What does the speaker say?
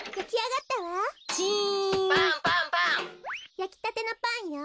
やきたてのパンよ。